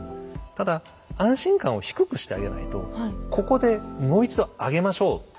ただ安心感を低くしてあげないとここでもう一度上げましょう。